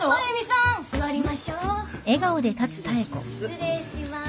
失礼します。